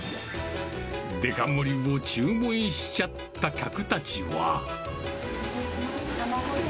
デカ盛りを注文しちゃった客たちは。